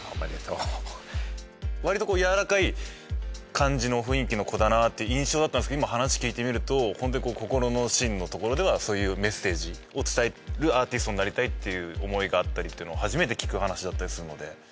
わりとやわらかい感じの雰囲気の子だなっていう印象だったんですけど今話聞いてみるとホントに心の芯のところではそういうメッセージを伝えるアーティストになりたいっていう思いがあったりっていうのは初めて聞く話だったりするので。